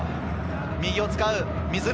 右を使う、水沼。